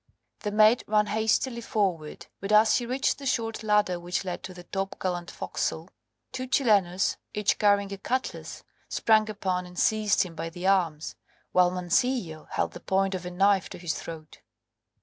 The mate ran hastily forward, but as he reached the short ladder which led to the topgallant foc's'cle, two Chilenos, each carrying a cutlass, sprang upon and seized him by the arms, while Mancillo held the point of a knife to his throat.